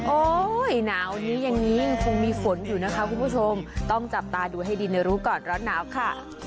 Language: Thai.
หนาวนี้อย่างนี้ยังคงมีฝนอยู่นะคะคุณผู้ชมต้องจับตาดูให้ดีในรู้ก่อนร้อนหนาวค่ะ